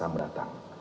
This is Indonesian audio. yang akan datang